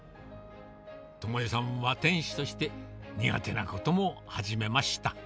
知枝さんは店主として、苦手なことも始めました。